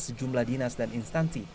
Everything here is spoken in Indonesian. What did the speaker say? sejumlah dinas dan instansi